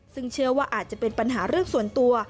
ซึ่งเชื่อว่าอาจจะเป็นปัญหาเรื่องส่วนตัว